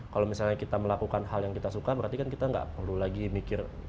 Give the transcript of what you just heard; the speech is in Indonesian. kalau misalnya kita melakukan hal yang kita suka berarti kan kita nggak perlu lagi mikir